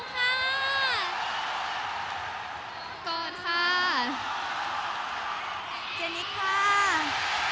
ไปเที่ยวกรุงเทพกัน